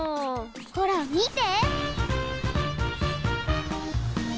ほらみて！